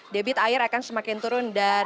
debit air akan semakin turun dan